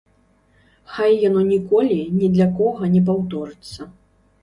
Хай яно ніколі ні для кога не паўторыцца.